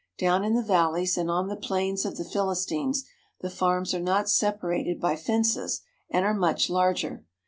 Down in the valleys and on the plains of the Philistines the farms are not separated by fences and are much larger.